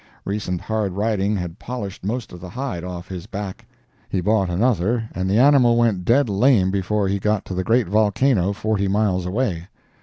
Recent hard riding had polished most of the hide off his back. He bought another and the animal went dead lame before we got to the great volcano, forty miles away.